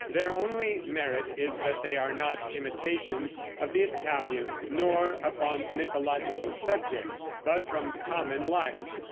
Their only merit is that they are not imitations of the Italian nor upon mythological subjects, but from common life.